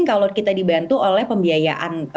kalau kita dibantu oleh pembiayaan